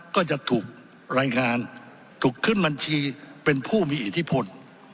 ก็จะถูกรายงานถูกขึ้นบัญชีเป็นผู้มีอิทธิพล